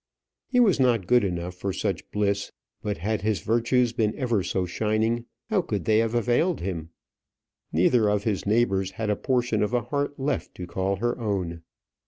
He was not good enough for such bliss. But had his virtues been ever so shining, how could they have availed him? Neither of his neighbours had a portion of a heart left to call her own.